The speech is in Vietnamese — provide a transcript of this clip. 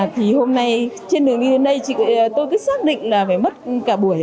thì hôm nay trên đường như thế này tôi cứ xác định là phải mất cả buổi